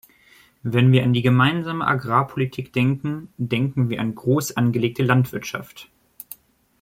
Wenn wir an die Gemeinsame Agrarpolitik denken, denken wir an groß angelegte Landwirtschaft.